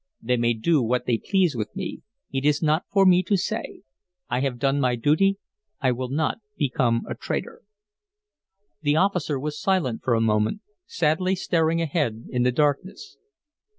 "They may do what they please with me. It is not for me to say. I have done my duty; I will not become a traitor." The officer was silent for a moment, sadly staring ahead in the darkness.